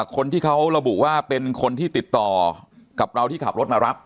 คนที่เขาระบุว่าเป็นคนที่ติดต่อกับเราที่ขับรถมารับ